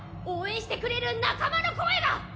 応援してくれる仲間の声が！